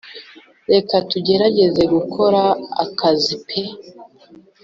Reka tugerageze gukora akazi peu